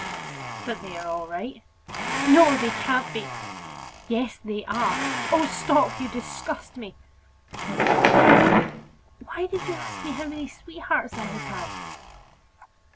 "But they are all right." "No, they can't be!" "Yes, they are!" "Oh, stop; you disgust me!" "But then, why did you ask me how many sweethearts I had had?"